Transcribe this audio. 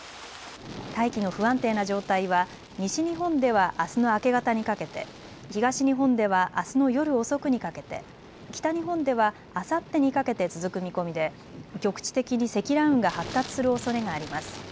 大気の不安定な状態は西日本ではあすの明け方にかけて東日本ではあすの夜遅くにかけて北日本ではあさってにかけて続く見込みで局地的に積乱雲が発達するおそれがあります。